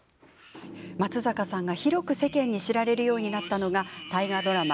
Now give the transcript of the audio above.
松坂さんが、広く世間に知られるようになったのが大河ドラマ